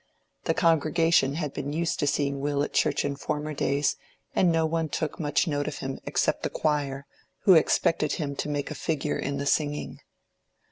The congregation had been used to seeing Will at church in former days, and no one took much note of him except the choir, who expected him to make a figure in the singing.